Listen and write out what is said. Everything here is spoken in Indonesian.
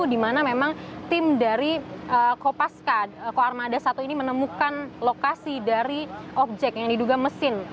dimana memang tim dari kopaska ko armada satu ini menemukan lokasi dari objek yang diduga mesin